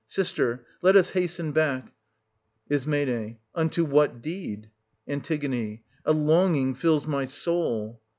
Sister, let us hasten back. Is. Unto what str. 2. deed? An. a longing fills my soul.